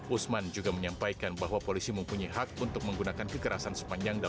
usman juga menyampaikan bahwa polisi mempunyai hak untuk menggunakan kekerasan sepanjang